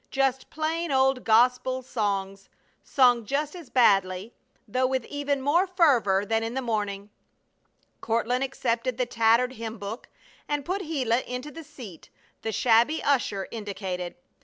Just plain old gospel songs, sung just as badly, though with even more fervor, than in the morning. Courtland accepted the tattered hymn book and put Gila into the seat the shabby usher indicated.